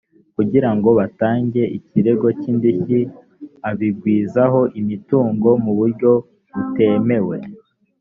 kugira ngo batange ikirego cy’indishyi abigwizaho imitungo mu buryo butemewe